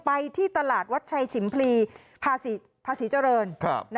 ที่ตลาดวัดชัยฉิมพลีภาษีเจริญ